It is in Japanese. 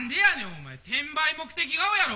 お前転売目的顔やろ！